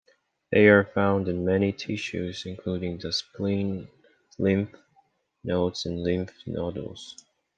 They are found in many tissues including the spleen, lymph nodes and lymph nodules.